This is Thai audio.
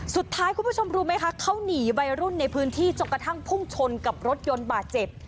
คุณผู้ชมรู้ไหมคะเขาหนีวัยรุ่นในพื้นที่จนกระทั่งพุ่งชนกับรถยนต์บาดเจ็บ